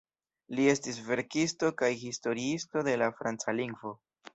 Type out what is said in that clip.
Li estis verkisto kaj historiisto de la franca lingvo.